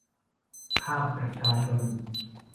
ภาคประชาชน